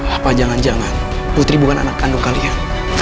apa jangan jangan putri bukan anak kandung kalian